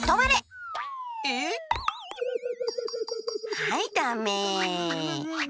はいダメ。